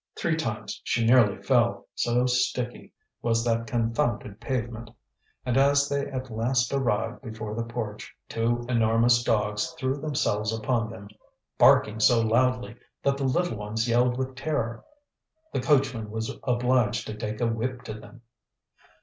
Three times she nearly fell, so sticky was that confounded pavement. And as they at last arrived before the porch, two enormous dogs threw themselves upon them, barking so loudly that the little ones yelled with terror. The coachman was obliged to take a whip to them.